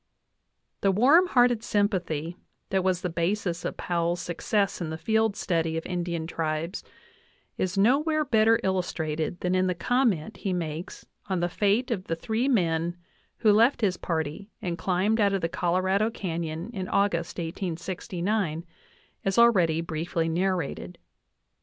The warm hearted sympathy that was the basis of Powell's success in the field study of Indian tribes is nowhere better illustrated than in the comment he makes on the fate of the three men who left his party and climbed out of the Colorado canyon in August, 1869, as already briefly narrated.